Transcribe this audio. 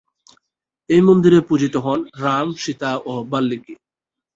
এই মন্দিরে পূজিত হন রাম, সীতা ও বাল্মীকি।